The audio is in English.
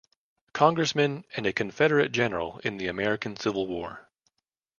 Congressman, and a Confederate general in the American Civil War.